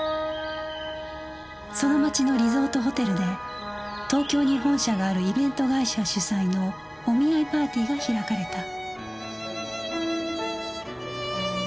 その町のリゾートホテルで東京に本社があるイベント会社主催のお見合いパーティーが開かれた